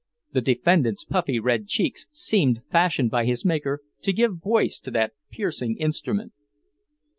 The defendant's puffy red cheeks seemed fashioned by his Maker to give voice to that piercing instrument.